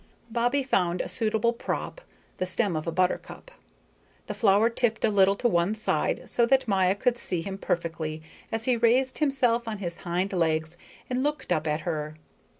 Bobbie found a suitable prop, the stem of a buttercup. The flower tipped a little to one side so that Maya could see him perfectly as he raised himself on his hind legs and looked up at her.